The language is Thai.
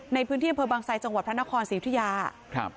ในพื้นที่อำเภอบางไซดจังหวัดพระนครศรีอุทยาครับ